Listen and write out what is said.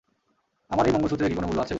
আমার এই মঙ্গলসূত্রের কী কোনও মূল্য আছে?